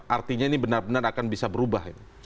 artinya ini benar benar akan bisa berubah ini